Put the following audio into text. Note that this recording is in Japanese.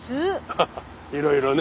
ハハいろいろね。